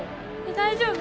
大丈夫？